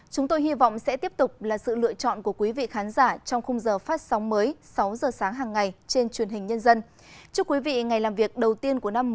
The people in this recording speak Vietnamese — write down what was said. chúng tôi hy vọng sẽ tiếp tục là sự lựa chọn của quý vị khán giả trong khung giờ phát sóng mới